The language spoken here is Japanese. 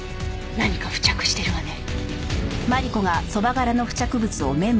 何か付着してるわね。